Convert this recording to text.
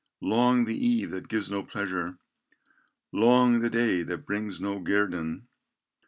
Long the eve that gives no pleasure, Long the day that brings no guerdon!